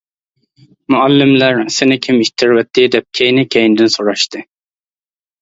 مۇئەللىملەر:-سېنى كىم ئىتتىرىۋەتتى؟ -دەپ كەينى-كەينىدىن سوراشتى.